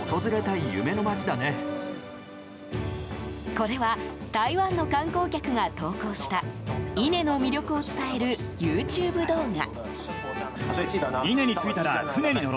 これは台湾の観光客が投稿した伊根の魅力を伝えるＹｏｕＴｕｂｅ動画。